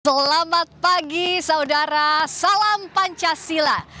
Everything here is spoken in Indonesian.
selamat pagi saudara salam pancasila